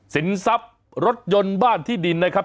สินทรัพย์รถยนต์บ้านที่ดินนะครับ